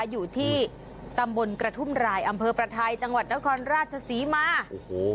อยู่ที่ตำบลกระทุ่มรายอำเภอประไทยจังหวัดนครราชศรีมาโอ้โห